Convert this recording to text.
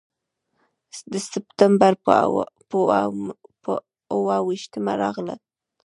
د سپټمبر پر اوه ویشتمه راغلل.